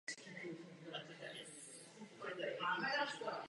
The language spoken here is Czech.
Dnes se projevuje nová dynamika v plnění odzbrojovacích závazků.